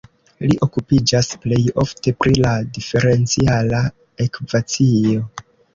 Li okupiĝas plej ofte pri la diferenciala ekvacio.